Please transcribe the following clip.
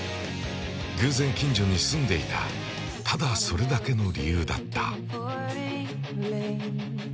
偶然近所に住んでいたただそれだけの理由だった。